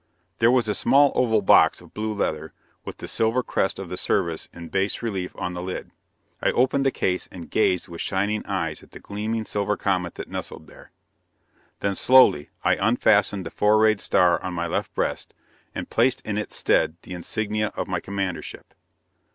There was a small oval box, of blue leather, with the silver crest of the Service in bas relief on the lid. I opened the case, and gazed with shining eyes at the gleaming, silver comet that nestled there. Then, slowly, I unfastened the four rayed star on my left breast, and placed in its stead the insignia of my commandership.